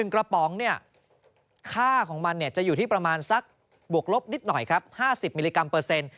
กระป๋องเนี่ยค่าของมันจะอยู่ที่ประมาณสักบวกลบนิดหน่อยครับ๕๐มิลลิกรัมเปอร์เซ็นต์